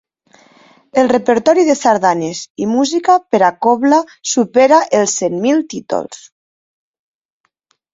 El repertori de sardanes i música per a cobla supera els cent mil títols.